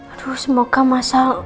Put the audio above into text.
aduh semoga masa